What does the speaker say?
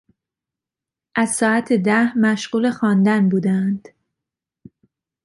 از ساعت ده مشغول خواندن بودهاند.